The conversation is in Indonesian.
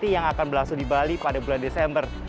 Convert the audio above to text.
yang akan berlangsung di bali pada bulan desember